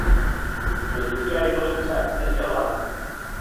بەجوتیاری بڵێم چاکت نەکێڵا